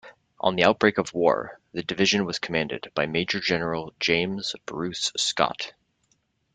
On the outbreak of war, the division was commanded by Major-General James Bruce Scott.